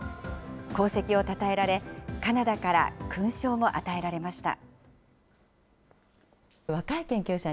功績をたたえられ、カナダから勲章も与えられました。